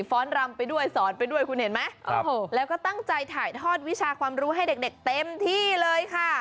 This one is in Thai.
้อนรำไปด้วยสอนไปด้วยคุณเห็นไหมแล้วก็ตั้งใจถ่ายทอดวิชาความรู้ให้เด็กเต็มที่เลยค่ะ